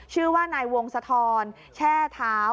ชื่อว่านายวงศธรแช่เท้า